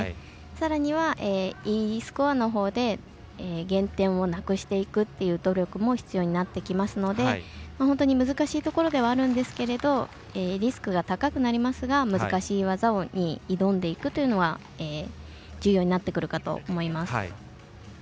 さらにはＥスコアのほうで減点をなくしていくという努力も必要になってきますので本当に難しいところではありますがリスクが高くなりますが難しい技に挑んでいくというのは重要になってくるかと思います。